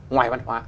ngoài văn hóa